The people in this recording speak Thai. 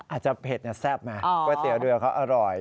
อาจจะเผ็ดแซ่บไงก๋วยเตี๋ยวเรือเขาอร่อย